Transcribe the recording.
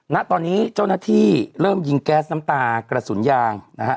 ณตอนนี้เจ้าหน้าที่เริ่มยิงแก๊สน้ำตากระสุนยางนะฮะ